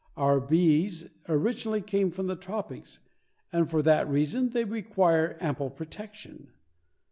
Our bees originally came from the tropics, and for that reason they require ample protection.